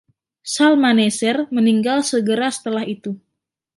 Shalmaneser meninggal segera setelah itu.